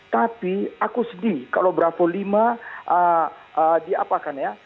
tapi aku sedih kalau bravo lima diapakan ya